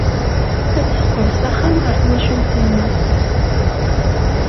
Ad teqqel s axxam, ɣer twacult-nnes.